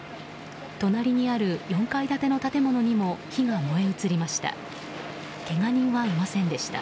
隣にある４階建ての建物にも火が燃え移りました。